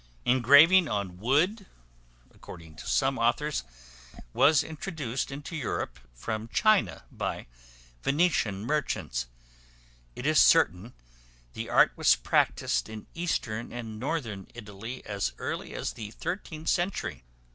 Engraving on wood, according to some authors, was introduced into Europe from China by Venetian merchants; it is certain the art was practised in eastern and northern Italy as early as the thirteenth century.